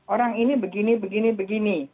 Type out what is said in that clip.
orang ini begini begini